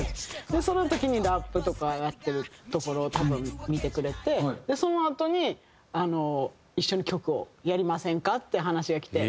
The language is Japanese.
その時にラップとかやってるところを多分見てくれてそのあとに「一緒に曲をやりませんか？」って話がきて。